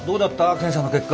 検査の結果。